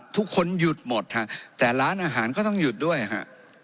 ทุกคนหยุดหมดฮะแต่ร้านอาหารก็ต้องหยุดด้วยฮะ